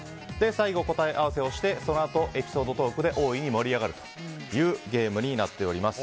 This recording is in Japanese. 最後、答え合わせをしてそのあとエピソードトークで大いに盛り上がるというゲームになっております。